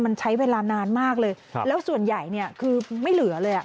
มันใช้เวลานานมากเลยแล้วส่วนใหญ่เนี่ยคือไม่เหลือเลยอ่ะ